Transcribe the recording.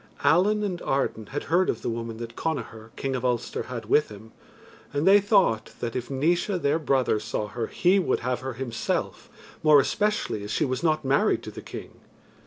Allen and Arden had heard of the woman that Connachar, King of Ulster, had with him, and they thought that, if Naois, their brother, saw her, he would have her himself, more especially as she was not married to the King.